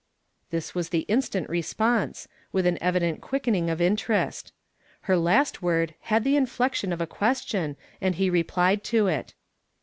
" This was the instant response, with an evident quickening of interest. Her last word had the hiflection of a question, and he rephed to it.